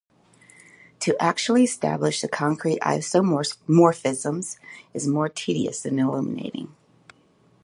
To actually establish the concrete isomorphisms is more tedious than illuminating.